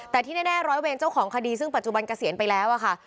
แต่ที่แน่ร้อยเวรเจ้าของคดีซึ่งปัจจุบันเกษียณไปแล้วอะค่ะ